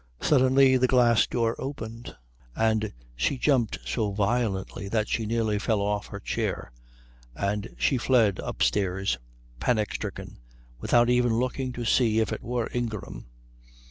Suddenly the glass door opened, and she jumped so violently that she nearly fell off her chair, and she fled upstairs, panic stricken, without even looking to see if it were Ingram.